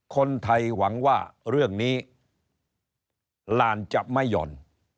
คนไทยหวังว่าเรื่องนี้ลานจะไม่หย่อน